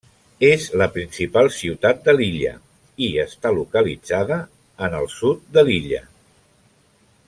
És la principal ciutat de l'illa, i està localitzada en la sud de l'illa.